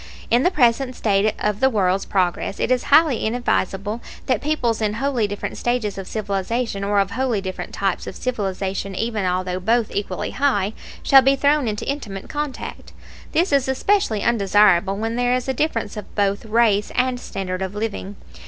In the present state of the world's progress it is highly inadvisable that peoples in wholly different stages of civilization, or of wholly different types of civilization even although both equally high, shall be thrown into intimate contact. This is especially undesirable when there is a difference of both race and standard of living.